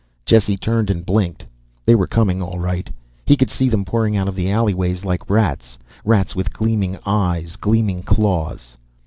Jesse turned and blinked. They were coming, all right. He could see them pouring out of the alleyway like rats. Rats with gleaming eyes, gleaming claws.